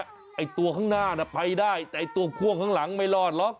ไอ้ตัวข้างหน้าน่ะไปได้แต่ตัวพ่วงข้างหลังไม่รอดหรอก